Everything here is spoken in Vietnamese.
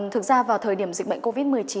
thực ra vào thời điểm dịch bệnh covid một mươi chín